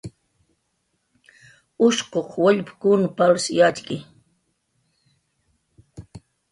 Ushquq wallpkunw palsh yatxki